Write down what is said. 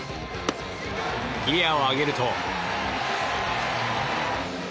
ギアを上げると。